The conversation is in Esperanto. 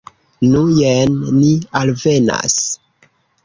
Nu, jen ni alvenas.